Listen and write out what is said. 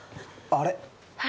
あれ？